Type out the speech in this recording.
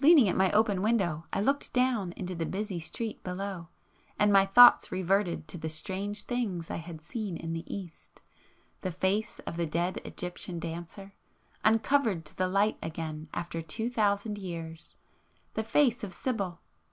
Leaning at my open window I looked down into the busy street below,—and my thoughts reverted to the strange things I had seen in the East,—the face of the dead Egyptian dancer, uncovered to the light again after two thousand years,—the face of Sibyl!